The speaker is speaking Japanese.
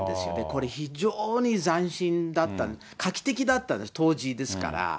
これ、非常に斬新だった、画期的だったんです、当時ですから。